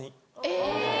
え！